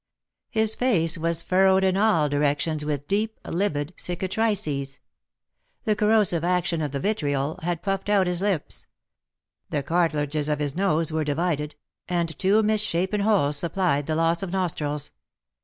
His face was furrowed in all directions with deep, livid cicatrices; the corrosive action of the vitriol had puffed out his lips; the cartilages of his nose were divided, and two misshapen holes supplied the loss of nostrils.